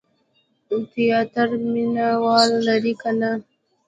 تیاتر مینه وال لري که نه؟